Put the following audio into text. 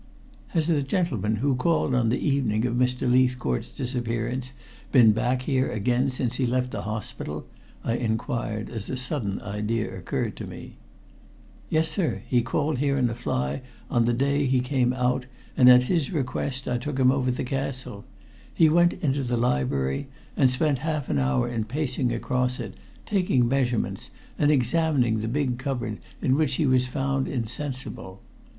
"Has the gentleman who called on the evening of Mr. Leithcourt's disappearance been back here again since he left the hospital?" I inquired as a sudden idea occurred to me. "Yes, sir. He called here in a fly on the day he came out, and at his request I took him over the castle. He went into the library, and spent half an hour in pacing across it, taking measurements, and examining the big cupboard in which he was found insensible.